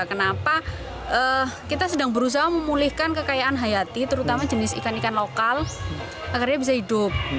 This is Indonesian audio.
kenapa kita sedang berusaha memulihkan kekayaan hayati terutama jenis ikan ikan lokal agar dia bisa hidup